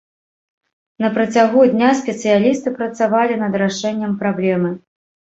На працягу дня спецыялісты працавалі над рашэннем праблемы.